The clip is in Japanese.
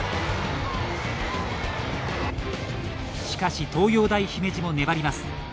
しかし、東洋大姫路も粘ります。